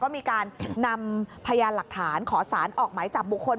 มีการนำพยานหลักฐานขอสารออกหมายจับบุคคล